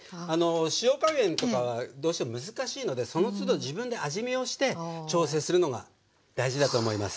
塩加減とかはどうしても難しいのでそのつど自分で味見をして調整するのが大事だと思います。